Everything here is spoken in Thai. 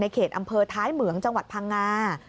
เขตอำเภอท้ายเหมืองจังหวัดพังงา